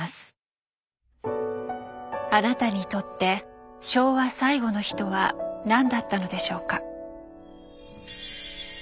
あなたにとって「昭和最後の日」とは何だったのでしょうか？